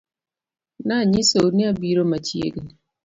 Nanyisou ni abiro machiegni